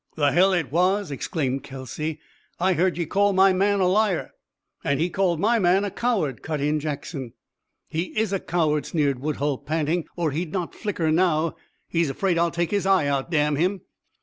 "The hell it was!" exclaimed Kelsey. "I heard ye call my man a liar." "An' he called my man a coward!" cut in Jackson. "He is a coward," sneered Woodhull, panting, "or he'd not flicker now. He's afraid I'll take his eye out, damn him!"